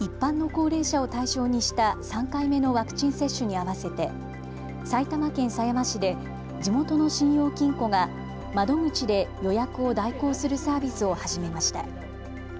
一般の高齢者を対象にした３回目のワクチン接種に合わせて埼玉県狭山市で地元の信用金庫が窓口で予約を代行するサービスを始めました。